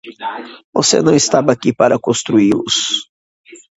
Você não estava aqui para construí-los.